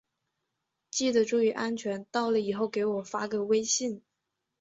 记得注意安全，到了之后给我发个微信。